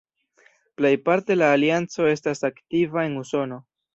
Plejparte la Alianco estas aktiva en Usono.